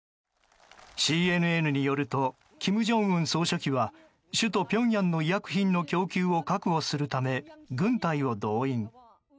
ＣＮＮによると金正恩総書記は首都ピョンヤンの医薬品の供給を確保するため軍隊を動員。